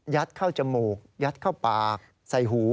เข้าจมูกยัดเข้าปากใส่หู